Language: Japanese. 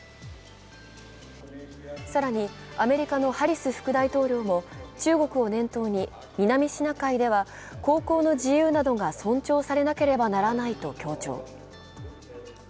更にアメリカのハリス副大統領も中国を念頭に南シナ海では航行の自由などが尊重されなければならないと強調。